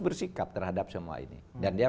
bersikap terhadap semua ini dan dia